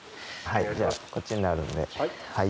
じゃあこっちになるんで。